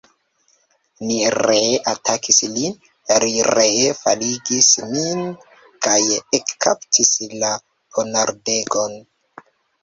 Ni ree atakis lin, li ree faligis nin kaj ekkaptis la ponardegon.